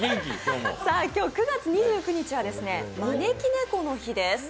今日９月２９日は招き猫の日です。